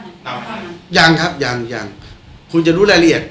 มันทางช่องวันนะครับยังครับยังยังคุณจะรู้รายละเอียด